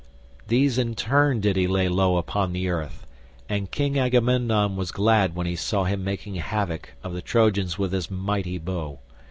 All these in turn did he lay low upon the earth, and King Agamemnon was glad when he saw him making havoc of the Trojans with his mighty bow.